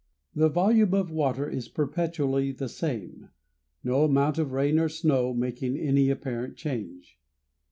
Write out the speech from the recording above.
The volume of water is perpetually the same, no amount of rain or snow making any apparent change.